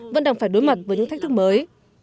vẫn đang phải đối mặt với những thách thức mới